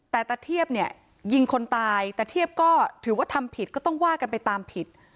แต่ตะเทียบเนี่ยยิงคนตายตะเทียบก็ถือว่าทำผิดก็ต้องว่ากันไปตามผิด